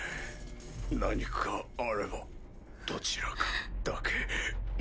何かあればどちらかだけでも。